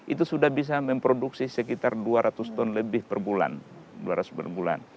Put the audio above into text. itu sudah bisa memproduksi sekitar dua ratus ton lebih per bulan